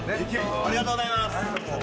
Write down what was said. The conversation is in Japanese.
ありがとうございます。